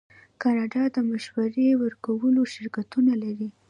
کاناډا د مشورې ورکولو شرکتونه لري.